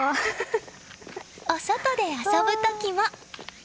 お外で遊ぶ時も。